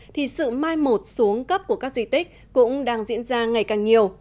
thì sự mai một xuống cấp của các di tích cũng đang diễn ra ngày càng nhiều